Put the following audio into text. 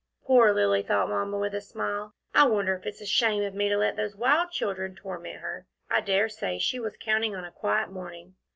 "Poor Lilly," thought Mamma, with a smile. "I wonder if it's a shame of me to let those wild children torment her. I dare say she was counting on a quiet morning."